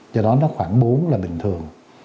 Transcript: do đó nó khoảng bốn là bình thường